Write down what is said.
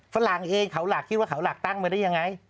ฝรั่งเองเขาหลักคิดว่าเขาหลักตั้งมาได้ยังไง